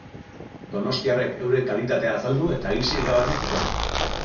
Donostiarrek euren kalitatea azaldu eta aise irabazi zuten.